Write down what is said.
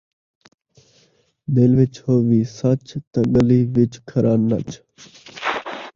دل وچ ہووی سچ تاں ڳلی وِچ کھڑا نچ